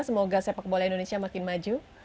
semoga sepak bola indonesia makin maju